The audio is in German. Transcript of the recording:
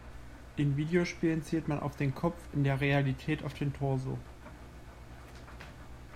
In Videospielen zielt man auf den Kopf, in der Realität auf den Torso.